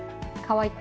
かわいい！